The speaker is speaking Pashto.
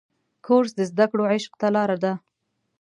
کورس د زده کړو عشق ته لاره ده.